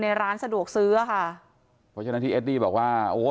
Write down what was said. ร้านสะดวกซื้ออ่ะค่ะเพราะฉะนั้นที่เอดดี้บอกว่าโอ้